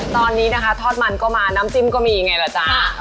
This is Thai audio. ตอนนี้นะคะทอดมันก็มาน้ำจิ้มก็มีไงล่ะจ๊ะ